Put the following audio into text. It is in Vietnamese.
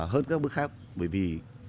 hơn các bức khác bởi vì